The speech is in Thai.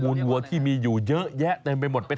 อันนี้ร้องเพลงได้เต้นได้